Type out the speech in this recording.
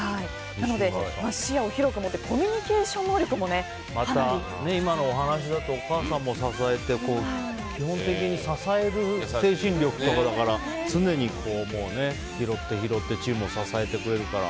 なので、視野を広く持ってコミュニケーション能力も今のお話だとお母さんも支えて基本的に支える精神力とかだから常に拾って拾ってチームを支えてくれるから。